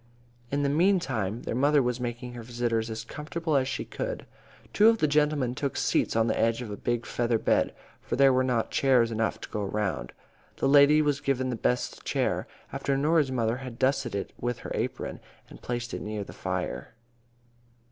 In the meantime, their mother was making her visitors as comfortable as she could. Two of the gentlemen took seats on the edge of a big feather bed, for there were not chairs enough to go around. The lady was given the best chair, after Norah's mother had dusted it with her apron, and placed it near the fire.